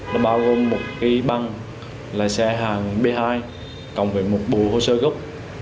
đó bao gồm một cái băng lái xe hàng b hai cộng với một bộ hồ sơ gốc